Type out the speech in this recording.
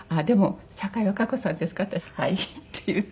「酒井和歌子さんですか？」って「はい」って言って。